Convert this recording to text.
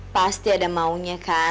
pasti ada maunya kan